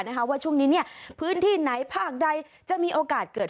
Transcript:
ว่าช่วงนี้เนี่ยพื้นที่ไหนภาคใดจะมีโอกาสเกิด